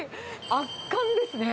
圧巻ですね。